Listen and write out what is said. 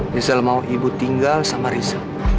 rizal mau ibu tinggal sama rizal